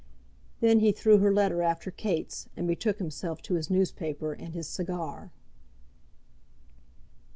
Then he threw her letter after Kate's, and betook himself to his newspaper and his cigar.